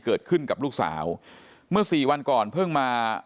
เกิดขึ้นกับลูกสาวเมื่อสี่วันก่อนเพิ่งมา